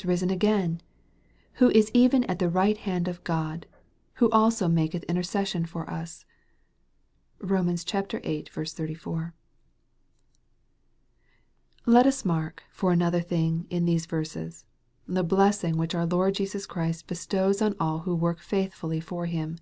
XVI. 369 risen again who is even at the right hand of God who also maketh intercession for us." (Rom. viii. 34.) Let us mark, for another thing, in these verses, the blessing which our Lord Jesus Christ bestows on all who work faithfully for Him.